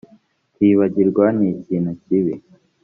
kwibagirwa ni ikintu kibi